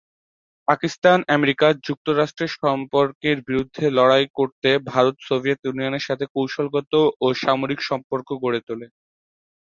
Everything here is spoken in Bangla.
পাকিস্তান-আমেরিকা যুক্তরাষ্ট্রের সম্পর্কের বিরুদ্ধে লড়াই করতে ভারত সোভিয়েত ইউনিয়নের সাথে কৌশলগত ও সামরিক সম্পর্ক গড়ে তোলে।